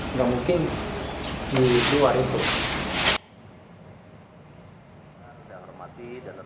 nggak mungkin di luar itu